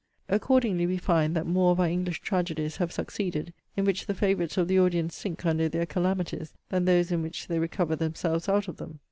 'Accordingly, we find, that more of our English tragedies have succeeded, in which the favourites of the audience sink under their calamities, than those in which they recover themselves out of them.